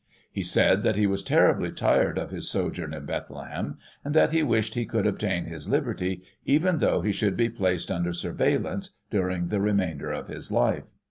He said that he was terribly tired of his sojourn at Bethlehem, and that he wished he could obtain his liberty, even though he should be placed under surveillance during the remainder of his life.